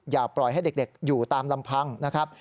อย่าปล่อยให้เด็กอยู่ตามลำพังนะครับ